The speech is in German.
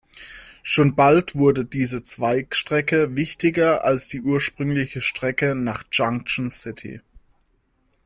Schon bald wurde diese Zweigstrecke wichtiger als die ursprüngliche Strecke nach Junction City.